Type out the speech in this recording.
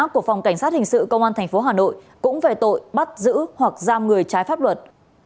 của phòng cảnh sát hình sự công an tp hà nội cũng về tội bắt giữ hoặc giam người trái pháp luật